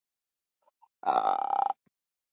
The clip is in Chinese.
吴王夫差立邾桓公革继位。